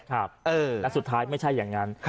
และสุดท้ายไม่ใช่อย่างนั้น